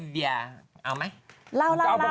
เดี๋ยวเอาไหม